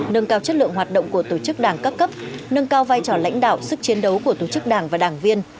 nâng cao chất lượng hoạt động của tổ chức đảng các cấp nâng cao vai trò lãnh đạo sức chiến đấu của tổ chức đảng và đảng viên